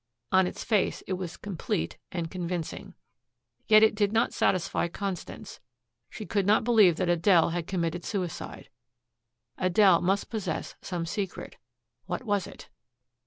On its face it was complete and convincing. Yet it did not satisfy Constance. She could not believe that Adele had committed suicide. Adele must possess some secret. What was it?